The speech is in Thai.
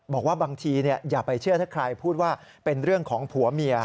บอกว่าบางทีอย่าไปเชื่อถ้าใครพูดว่าเป็นเรื่องของผัวเมีย